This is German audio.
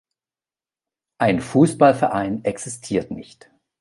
Ein Fussballverein existiert nicht.